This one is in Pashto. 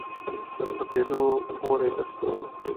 تر سپیدو پوري د ستورو